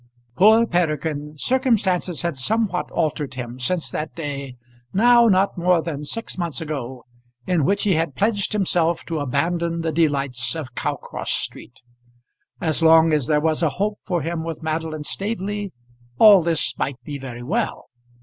Poor Peregrine! Circumstances had somewhat altered him since that day, now not more than six months ago, in which he had pledged himself to abandon the delights of Cowcross Street. As long as there was a hope for him with Madeline Staveley all this might be very well.